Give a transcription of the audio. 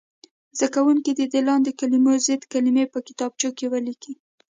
زده کوونکي دې د لاندې کلمو ضد کلمې په کتابچو کې ولیکي.